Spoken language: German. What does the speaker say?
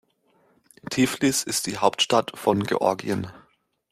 Tiflis ist die Hauptstadt von Georgien.